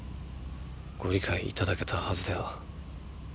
ご理解いただけたはずでは？